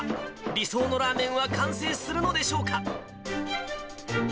理想のラーメンは完成するのでしょうか。